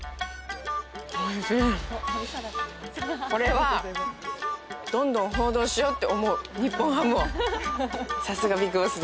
これは、どんどん報道しようって思う日本ハムを。